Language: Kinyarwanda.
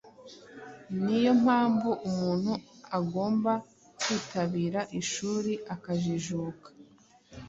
Ni yo mpamvu umuntu agomba kwitabira ishuri akajijuka,